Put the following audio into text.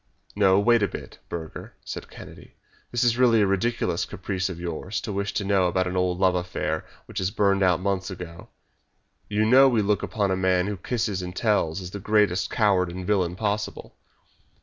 "No; wait a bit, Burger," said Kennedy; "this is really a ridiculous caprice of yours to wish to know about an old love affair which has burned out months ago. You know we look upon a man who kisses and tells as the greatest coward and villain possible."